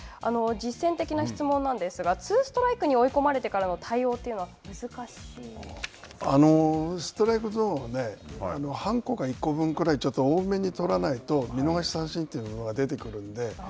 実践的な質問なんですが、ツーストライクに追い込まれてからの対ストライクゾーンは半個か１個分ぐらい多く取らないと見逃し三振は出てくるので。